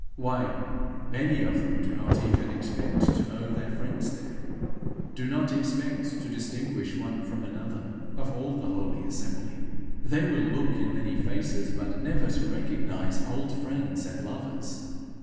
Why, many of them do not even expect to know their friends there! do not expect to distinguish one from another of all the holy assembly! They will look in many faces, but never to recognize old friends and lovers!